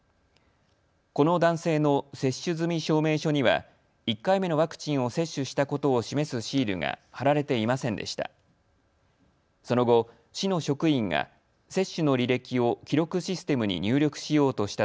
この男性の接種済み証明書には１回目のワクチンを接種したことを示すシールが貼られていませんでした。